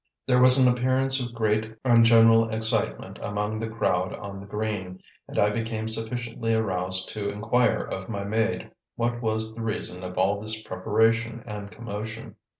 There was an appearance of great and general excitement among the crowd on the green, and I became sufficiently aroused to inquire of my maid what was the reason of all this preparation and commotion.